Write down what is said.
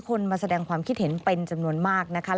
มาแสดงความคิดเห็นเป็นจำนวนมากนะคะ